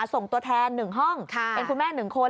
ส่งตัวแทนหนึ่งห้องเป็นคุณแม่หนึ่งคน